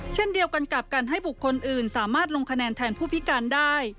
เช่นเดียวกันกับการให้บุคคลอื่นสามารถลงคะแนนแทนผู้พิการได้